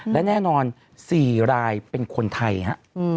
และแน่นอน๔รายเป็นคนไทยฮะ